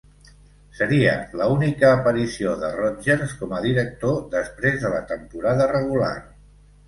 Seria la única aparició de Rodgers com a directiu després de la temporada regular.